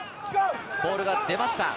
ボールが出ました。